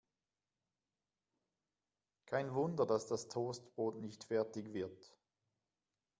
Kein Wunder, dass das Toastbrot nicht fertig wird.